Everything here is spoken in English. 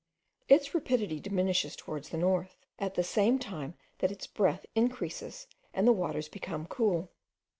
Its rapidity diminishes towards the north, at the same time that its breadth increases and the waters become cool.